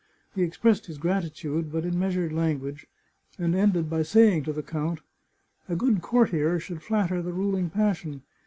He expressed his gratitude, but in measured language, and ended by saying to the count :" A good courtier should flatter the ruling passion.